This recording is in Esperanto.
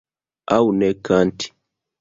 Aŭ ne kanti.